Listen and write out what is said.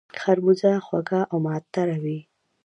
خربوزه خوږه او معطره وي